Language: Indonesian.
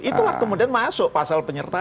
itu lah kemudian masuk pasal penyertaan